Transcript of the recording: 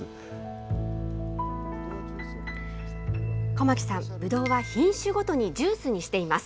小牧さん、ぶどうは品種ごとにジュースにしています。